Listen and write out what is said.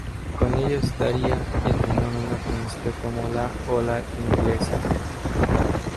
Con ellos se daría el fenómeno conocido como "la ola inglesa".